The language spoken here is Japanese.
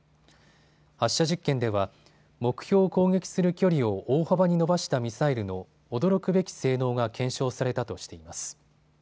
発射実験では目標を攻撃する距離を大幅に伸ばしたミサイルの驚くべき性能が検証されたとしています。